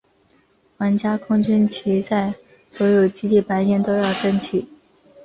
皇家空军旗在所有基地白天都要升起。